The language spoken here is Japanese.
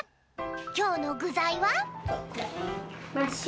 きょうのぐざいは？